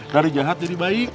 dari jahat jadi baik